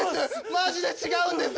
マジで違うんです。